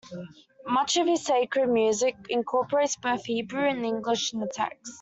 Much of his sacred music incorporates both Hebrew and English in the text.